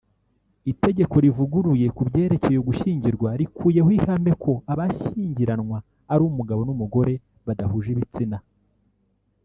Itegeko rivuguruye ku byerekeye ugushyingirwa rikuyeho ihame ko abashyingiranwa ari umugabo n’umugore badahuje ibitsina